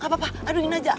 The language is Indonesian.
gapapa aduin aja